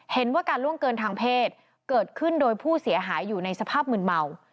เห็นว่าการล่วงเกินทางเพศเกิดขึ้นโดยผู้เสียหายอยู่ในสภาพมืนเมา